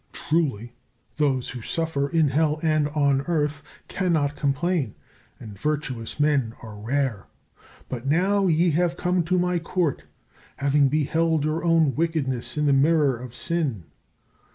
Truly those who suffer in hell and on earth cannot complain, and virtuous men are rare! But now ye have come to my Court, having beheld your own wickedness in the mirror of sin.